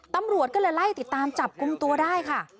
ตำรวจก็เลยไล่ติดตามจับกลุ่มตัวได้ค่ะ